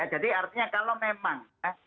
jadi artinya kalau memang